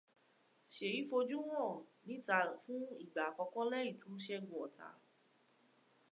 Ṣèyí fojú hàn n'íta fún ìgbà àkọ́kọ́ lẹ́yìn tó ṣẹ́gun ọ̀tá.